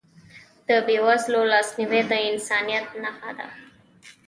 د بېوزلو لاسنیوی د انسانیت نښه ده.